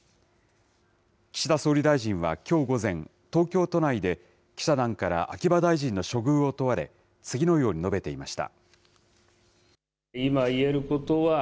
岸田総理大臣はきょう午前、東京都内で記者団から秋葉大臣の処遇を問われ、次のように述べていました。